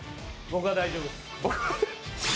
僕は大丈夫です。